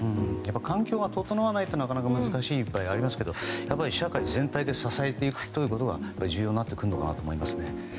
環境が整わないとなかなか難しいということがありますけど社会全体で支えていくことが重要になってくるのかなと思います。